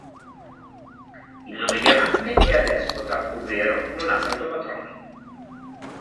Il nome Diamante è adespota, ovvero non ha santo patrono.